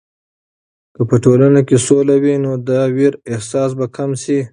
که په ټولنه کې سوله وي، نو د ویر احساس به کم شي.